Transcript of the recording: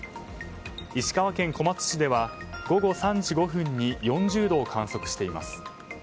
石川県小松市では午後３時５分に４０度を観測しています。